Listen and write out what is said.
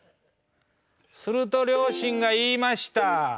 すると両親が言いました。